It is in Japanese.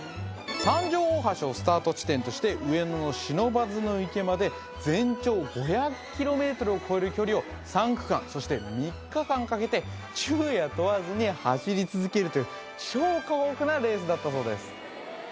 三条大橋をスタート地点として上野の不忍池まで全長５００ｋｍを超える距離を３区間そして３日間かけて昼夜問わずに走り続けるという超過酷なレースだったそうです